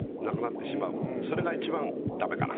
それが一番ダメかな。